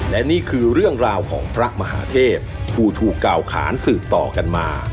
และนี่คือเรื่องราวของพระมหาเทพผู้ถูกกล่าวขานสืบต่อกันมา